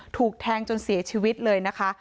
ถูกแทงจนเสียชีวิตเลยนะคะ